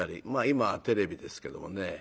今はテレビですけどもね。